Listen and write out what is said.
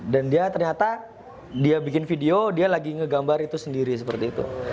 dan dia ternyata dia bikin video dia lagi ngegambar itu sendiri seperti itu